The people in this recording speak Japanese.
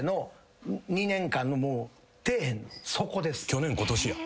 去年今年や。